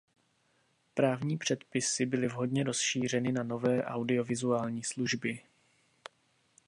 Právní předpisy byly vhodně rozšířeny na nové audiovizuální služby.